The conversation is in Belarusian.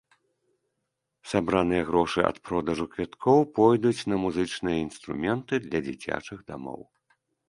Сабраныя грошы ад продажу квіткоў пойдуць на музычныя інструменты для дзіцячых дамоў.